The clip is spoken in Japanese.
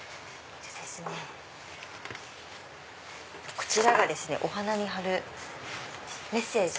こちらがお花に張るメッセージ。